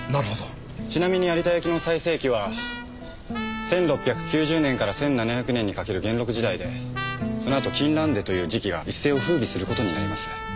ちなみに有田焼の最盛期は１６９０年から１７００年にかかる元禄時代でその後金襴手という磁器が一世を風靡する事になります。